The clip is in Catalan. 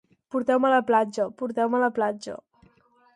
Porteu-me a la platja, porteu-me a la platja...